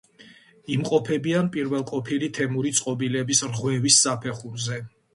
იმყოფებიან პირველყოფილი თემური წყობილების რღვევის საფეხურზე.